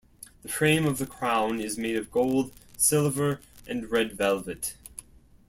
The frame of the crown is made of gold, silver and red velvet.